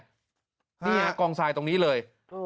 นี่ฮะกองทรายตรงนี้เลย